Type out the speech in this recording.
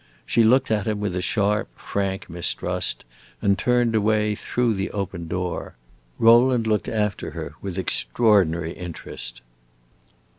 She looked at him with a sharp, frank mistrust, and turned away through the open door. Rowland looked after her with extraordinary interest.